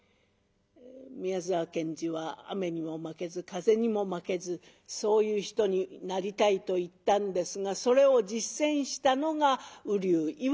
宮沢賢治は「雨にも負けず風にも負けずそういう人になりたい」と言ったんですがそれを実践したのが瓜生岩子でございます。